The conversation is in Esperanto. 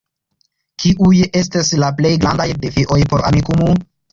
Kiuj estis la plej grandaj defioj por Amikumu?